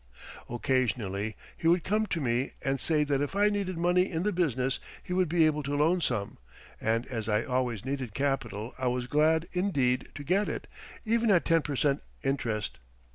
Occasionally he would come to me and say that if I needed money in the business he would be able to loan some, and as I always needed capital I was glad indeed to get it, even at 10 per cent. interest.